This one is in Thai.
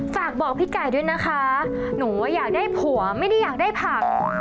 ฝากบอกพี่ไก่ด้วยนะคะหนูว่าอยากได้ผัวไม่ได้อยากได้ผัก